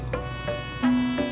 tidak ada yang bisa diberikan